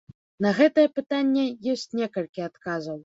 На гэтае пытанне ёсць некалькі адказаў.